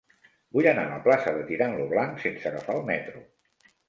Vull anar a la plaça de Tirant lo Blanc sense agafar el metro.